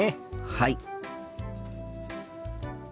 はい。